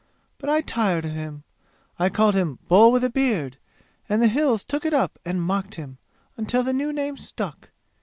But I tired of him. I called him Bull with a beard, and the 'Hills' took it up and mocked him, until the new name stuck.